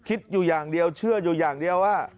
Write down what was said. คิดอยู่อย่างเดียวเชื่ออยู่อย่างเดียวว่า